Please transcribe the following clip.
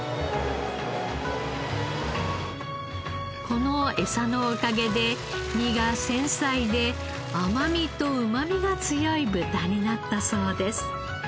このエサのおかげで身が繊細で甘みとうまみが強い豚になったそうです。